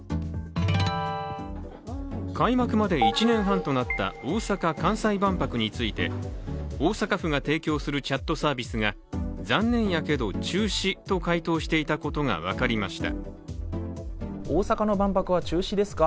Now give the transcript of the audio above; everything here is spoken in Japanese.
開幕まで１年半となった大阪の関西万博について大阪府が提供するチャットサービスが「残念やけど中止」と回答していたことが分かりました。